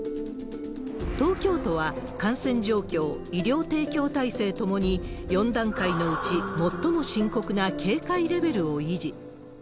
東京都は感染状況、医療提供体制ともに、４段階のうち最も深刻な警戒レベルを維持。